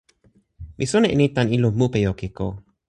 mi sona e ni tan ilo Mupejokijo.